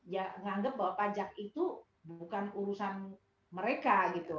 ya menganggap bahwa pajak itu bukan urusan mereka gitu